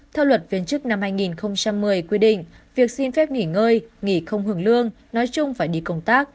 theo luật viên chức năm hai nghìn một mươi quy định việc xin phép nghỉ ngơi nghỉ không hưởng lương nói chung phải đi công tác